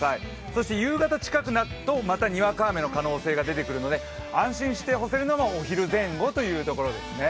そして夕方近くなるとまたにわか雨の可能性が出てくるので安心して干せるのはお昼前後ということですね。